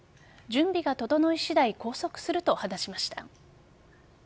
準備が整い次第拘束すると話しました。